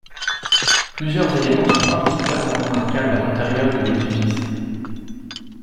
Plusieurs éléments sont particulièrement remarquables à l'intérieur de l'édifice.